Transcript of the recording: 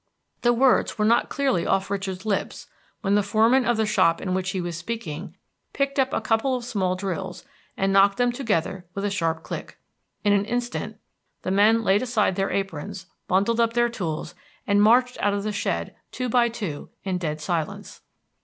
The words were not clearly off Richard's lips when the foreman of the shop in which he was speaking picked up a couple of small drills, and knocked them together with a sharp click. In an instant the men laid aside their aprons, bundled up their tools, and marched out of the shed two by two, in dead silence.